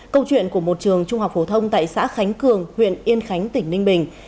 câu chuyện của một trường trung học phổ thông tại xã khánh cường huyện yên khánh tỉnh ninh bình